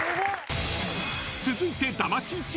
［続いて］